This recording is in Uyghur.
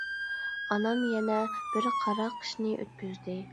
ئانام يەنە بىر قارا قىشنى ئۆتكۈزدى.